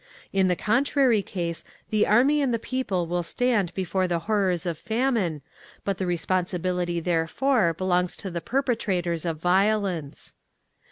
In the contrary case the Army and the people will stand before the horrors of famine, but the responsibility therefor belongs to the perpetrators of violence.